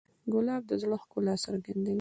ګلاب د زړه ښکلا څرګندوي.